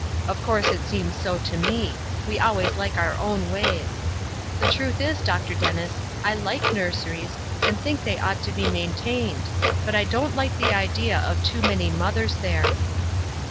Of course it seems so to me; we always like our own ways. The truth is, Dr. Dennis, I like nurseries, and think they ought to be maintained; but I don't like the idea of too many mothers there."